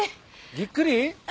ぎっくり？